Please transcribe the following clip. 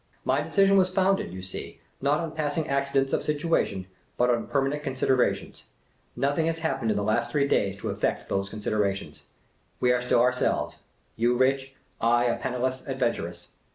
My de cision was founded, you see, not on passing accidents of situation, but on permanent considerations. Nothing has happened in the last three days to aifect those considerations. The Impromptu Mountaineer 145 We are still ourselves ; you rich, I a penniless adventuress.